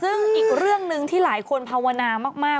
ซึ่งอีกเรื่องหนึ่งที่หลายคนภาวนามาก